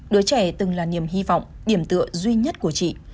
đứa trẻ từng là niềm hy vọng điểm tựa duy nhất của chị